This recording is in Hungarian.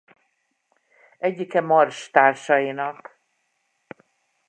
Egyike Marsh társainak.